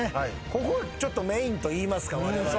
ここちょっとメインといいますかわれわれは。